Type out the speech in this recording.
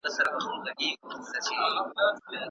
د ماضي پېښې د اوسني ژوند لپاره مهمې دي.